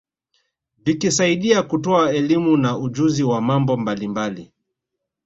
Vikisaidia kutoa elimu na ujuzi wa mambo mbalimbali